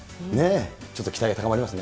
ちょっと期待が高まりますね。